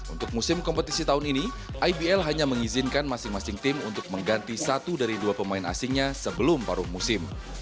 untuk musim kompetisi tahun ini ibl hanya mengizinkan masing masing tim untuk mengganti satu dari dua pemain asingnya sebelum paruh musim